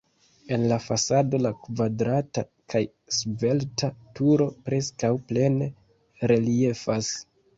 En la fasado la kvadrata kaj svelta turo preskaŭ plene reliefas.